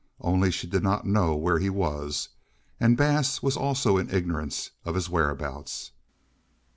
Only she did not know where he was, and Bass was also in ignorance of his whereabouts.